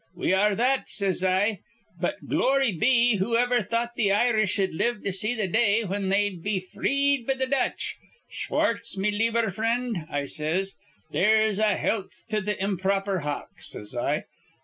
'We are that,' says I. 'But, glory be, who iver thought th' Irish'd live to see th' day whin they'd be freed be th' Dutch? Schwartz, me lieber frind,' I says, 'here's a health to th' imp'ror, hock,' says I.